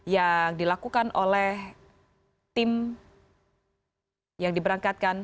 yang dilakukan oleh tim yang diberangkatkan